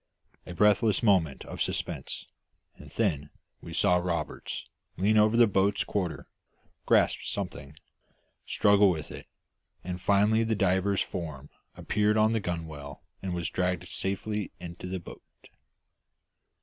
A breathless moment of suspense, and then we saw Roberts lean over the boat's quarter, grasp something, struggle with it, and finally the diver's form appeared on the gunwale and was dragged safely into the boat.